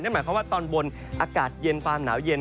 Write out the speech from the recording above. หมายความว่าตอนบนอากาศเย็นความหนาวเย็น